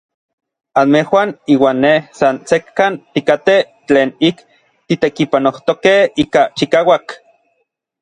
Anmejuan iuan nej san sekkan tikatej tlen ik titekipanojtokej ika chikauak.